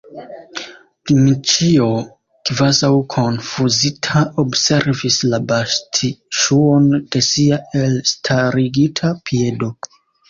Dmiĉjo, kvazaŭ konfuzita, observis la bastŝuon de sia elstarigita piedo.